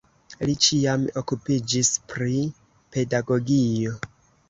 Li ĉiam okupiĝis pri pedagogio.